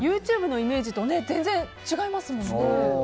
ＹｏｕＴｕｂｅのイメージと全然違いますもんね。